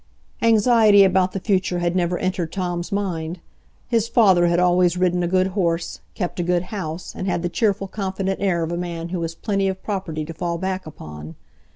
Anxiety about the future had never entered Tom's mind. His father had always ridden a good horse, kept a good house, and had the cheerful, confident air of a man who has plenty of property to fall back upon.